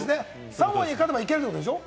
サモアに勝てばいけるってことでしょ？